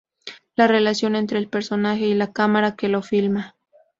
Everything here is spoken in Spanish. La relación entre el personaje y la cámara que lo filma.